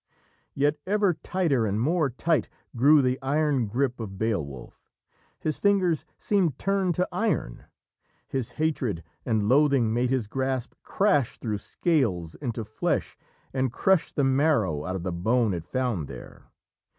Yet ever tighter and more tight grew the iron grip of Beowulf. His fingers seemed turned to iron. His hatred and loathing made his grasp crash through scales, into flesh, and crush the marrow out of the bone it found there.